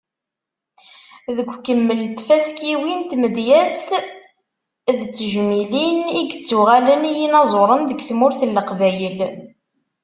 Deg ukemmel n tfaskiwin n tmedyazt d tejmilin i yettuɣalen i yinaẓuren deg tmurt n Leqbayel.